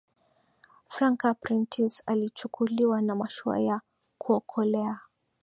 franca prentice alichukuliwa na mashua ya kuokolea